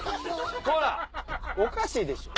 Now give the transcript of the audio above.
おかしいでしょ。